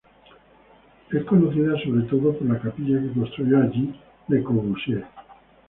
Es conocida sobre todo por la capilla que construyó allí Le Corbusier.